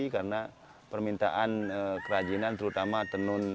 karena permintaan kerajinan terutama tenun